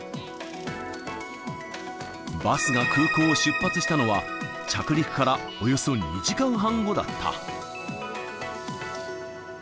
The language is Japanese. バスが空港を出発したのは、着陸からおよそ２時間半後だった。